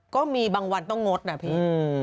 ก็มีบางวันต้องงดนะพี่